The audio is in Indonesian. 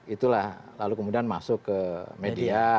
itulah lalu kemudian masuk ke media